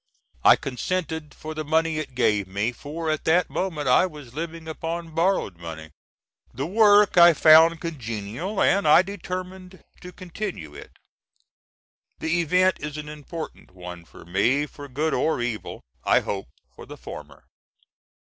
I consented for the money it gave me; for at that moment I was living upon borrowed money. The work I found congenial, and I determined to continue it. The event is an important one for me, for good or evil; I hope for the former.